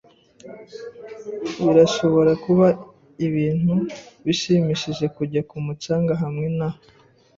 Birashobora kuba ibintu bishimishije kujya ku mucanga hamwe na .